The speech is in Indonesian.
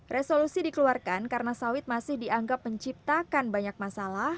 resolusi dikeluarkan karena sawit masih dianggap menciptakan banyak masalah